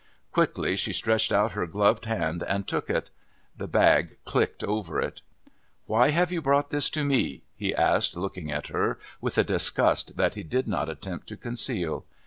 Quickly she stretched out her gloved hand and took it. The bag clicked over it. "Why have you brought this to me?" he asked, looking at her with a disgust that he did not attempt to conceal.